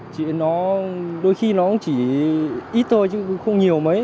chị nó đôi khi nó chỉ ít thôi chứ không nhiều mấy